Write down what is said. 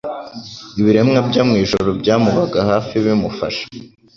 Ibiremwa byo mu ijuru byamubaga hafi bimufasha,